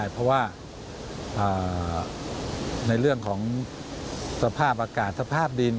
เพราะว่าในเรื่องของสภาพอากาศสภาพดิน